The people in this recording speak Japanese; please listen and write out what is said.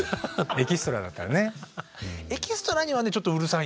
エキストラだったらねうん。